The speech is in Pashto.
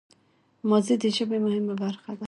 ماضي د ژبي مهمه برخه ده.